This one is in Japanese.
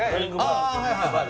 ああはいはいはい。